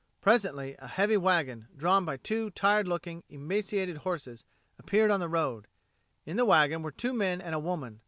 Presently a heavy wagon, drawn by two tired looking, emaciated horses, appeared on the road. In the wagon were two men and a woman.